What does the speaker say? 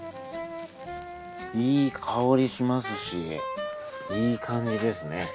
いい香りしますしいい感じですね。